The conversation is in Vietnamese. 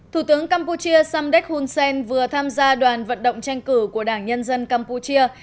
thủ tướng campuchia samdek hunsen vừa tham gia đoàn vận động tranh cử của đảng nhân dân campuchia